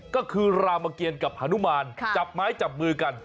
ก็คือรามเกียรกับฮานุมานจับไม้จับมือกัน